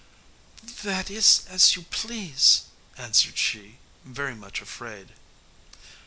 "That is as you please," answered she, very much afraid.